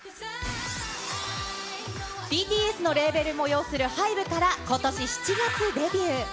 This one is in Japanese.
ＢＴＳのレーベルも擁するハイブからことし７月デビュー。